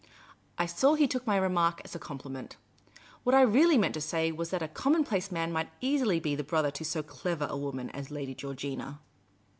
I saw he took my remark as a compliment. What T really meant to say was that a connnoiiplace man might easily be the brother to so clever a woman as Lady Georgina.